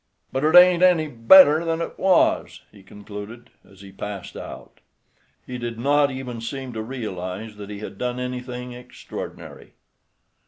"But it ain't any better than it was," he concluded, as he passed out. He did not even seem to realize that he had done anything extraordinary.